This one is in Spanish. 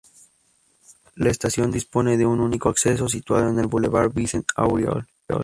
La estación dispone de un único acceso situado en el bulevard Vincent Auriol.